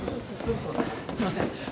すいません。